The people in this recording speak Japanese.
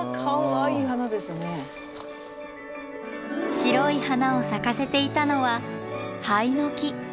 白い花を咲かせていたのはハイノキ。